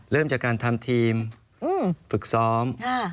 เริ่มจากการทำทีมฝึกซ้อม